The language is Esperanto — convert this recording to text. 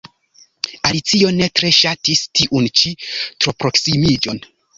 Alicio ne tre ŝatis tiun ĉi troproksimiĝon.